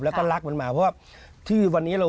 แล้วก็รักมันมาเพราะว่าที่วันนี้เรา